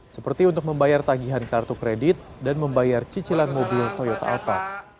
seperti untuk membayar tagihan kartu kredit dan membayar cicilan mobil toyota alpa